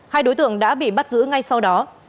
hai đối tượng đã bị bắt giữ ngay sau đó